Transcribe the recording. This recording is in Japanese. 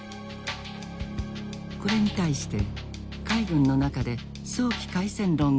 これに対して海軍の中で早期開戦論が台頭する。